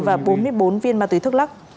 và bốn mươi bốn viên ma túy thuốc lắc